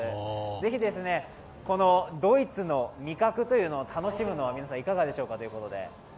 是非、このドイツの味覚というのを楽しむのは、皆さんいかがでしょうかということで。